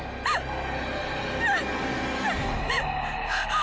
あっ！